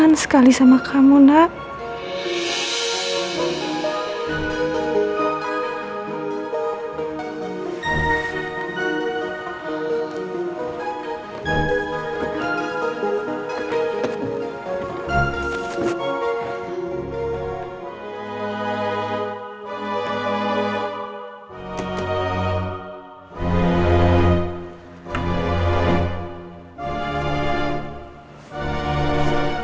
elsa udah lama gak pernah hidup disini